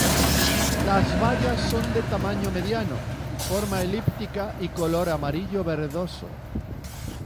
Las bayas son de tamaño mediano, forma elíptica y color amarillo-verdoso.